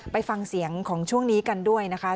ไปฟังเสียงของช่วงนี้กันด้วยนะคะ